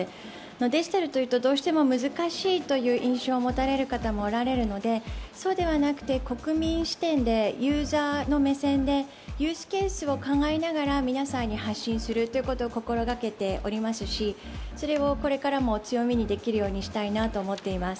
デジタルというとどうしても難しいという印象を持たれる方もおられるのでそうではなくて国民視点でユーザーの目線でユースケースを考えながら皆さんに発信するということを心がけていますしそれをこれからも強みにできるようにしたいと思っています。